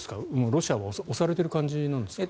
ロシアは押されている感じなんですか？